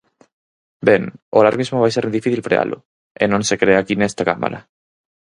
Ben, o alarmismo vai ser difícil frealo, e non se crea aquí nesta Cámara.